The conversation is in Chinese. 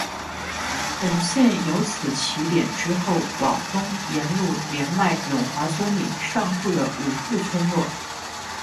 本线由此起点之后往东沿路连络永华村里上述的五处村落。